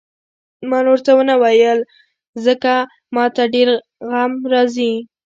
ما نور څه ونه ویل، ځکه ما ته یې ډېر غم راکړ.